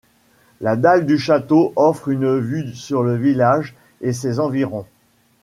La dalle du château offre une vue sur le village et ses environs.